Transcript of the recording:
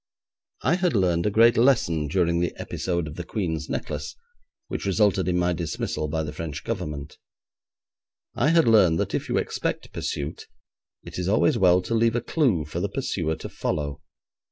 I had learned a great lesson during the episode of the Queen's Necklace, which resulted in my dismissal by the French Government. I had learned that if you expect pursuit it is always well to leave a clue for the pursuer to follow.